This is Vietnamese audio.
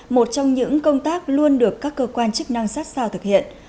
một trong những công tác luôn được các cơ quan chức năng sát sao thực hiện